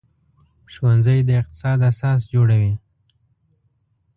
ښوونځی د اقتصاد اساس جوړوي